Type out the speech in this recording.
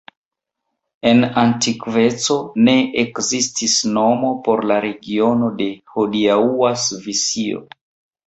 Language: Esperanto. En antikveco ne ekzistis nomo por la regiono de hodiaŭa Svisio.